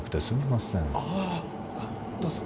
あどうぞ